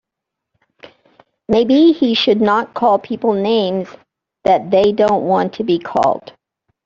Maybe he should not call people names that they don't want to be called.